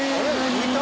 浮いた？